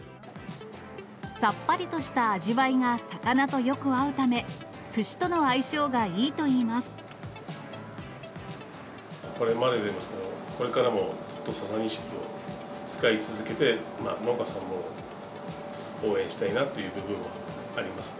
さっぱりとした味わいが魚とよく合うため、すしとの相性がいこれまででもこれからも、ずっとササニシキを使い続けて、農家さんも応援したいなっていう部分はありますね。